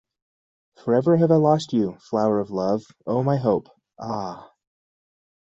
Forever have I lost you, flower of love, oh my hope; ah!